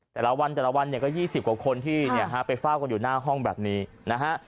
แต่ละวันแต่ละวันเนี่ยก็๒๐กว่าคนที่เนี่ยฮะไปเฝ้ากันอยู่หน้าห้องแบบนี้นะฮะ